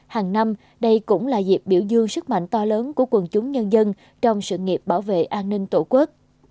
hàng năm đây cũng là dịp biểu dương sức mạnh to lớn của quần chúng nhân dân trong sự nghiệp bảo vệ an ninh tổ quốc